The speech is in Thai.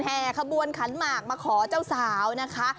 ขบวนขันหมากมาขอเจ้าสาวนะคะ